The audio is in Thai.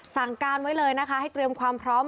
สั่งการไว้เลยนะคะให้เตรียมความพร้อม